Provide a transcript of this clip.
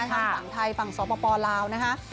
ฝั่งภังไทยฝั่งสปปรลาวนะฮะ